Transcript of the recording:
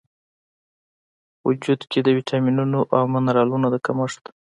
و وجود کې د ویټامینونو او منرالونو د کمښت